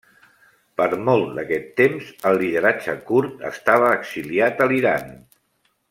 Per molt d'aquest temps, el lideratge kurd estava exiliat a l'Iran.